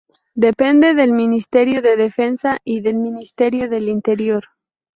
Depende del ministerio de Defensa y del ministerio del Interior.